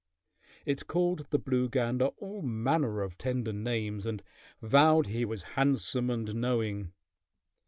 It called the blue gander all manner of tender names and vowed he was handsome and knowing.